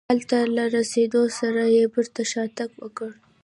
هلته له رسېدو سره یې بېرته شاتګ وکړ.